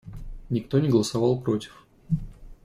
Никто не голосовал против.